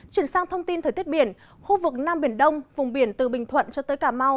chuyển sang thông tin thời tiết biển khu vực nam biển đông vùng biển từ bình thuận cho tới cà mau